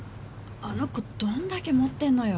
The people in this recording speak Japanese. あの子どんだけ持ってんのよ。